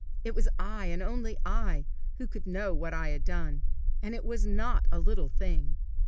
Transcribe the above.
it was I, and only I, who could know what I had done, and it was not a little thing!